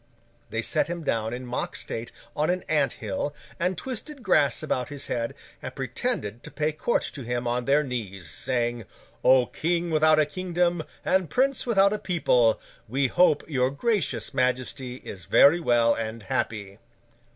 They set him down in mock state on an ant hill, and twisted grass about his head, and pretended to pay court to him on their knees, saying, 'O King, without a kingdom, and Prince without a people, we hope your gracious Majesty is very well and happy!